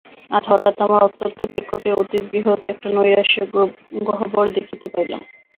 আজ হঠাৎ আমার অত্যন্ত নিকটে অতি বৃহৎ একটা নৈরাশ্যের গহ্বর দেখিতে পাইলাম।